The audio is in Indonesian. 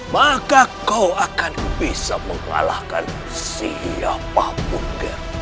maka kau akan bisa mengalahkan siapapun